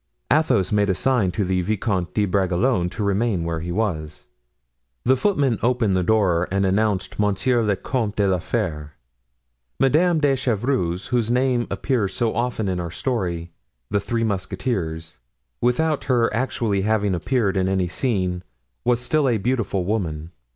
Athos made a sign to the Vicomte de Bragelonne to remain where he was. The footman opened the door and announced Monsieur le Comte de la Fere. Madame de Chevreuse, whose name appears so often in our story "The Three Musketeers," without her actually having appeared in any scene, was still a beautiful woman.